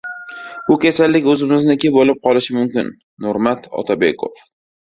«Bu kasallik o‘zimizniki bo‘lib qolishi mumkin» — Nurmat Otabekov